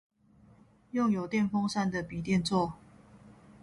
用有電風扇的筆電座